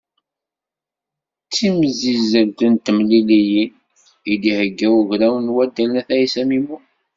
D timsizzelt n temliliyin, i d-iheyya ugraw n waddal n Ayt Ɛisa Mimon.